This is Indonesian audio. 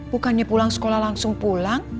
bukannya pulang sekolah langsung pulang